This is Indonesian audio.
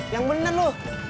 yang bener loh